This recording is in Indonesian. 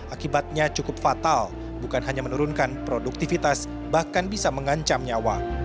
akibatnya cukup fatal bukan hanya menurunkan produktivitas bahkan bisa mengancam nyawa